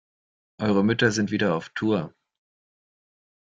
Eure Mütter sind wieder auf Tour.